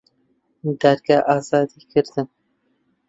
دادگا ئازادی کردن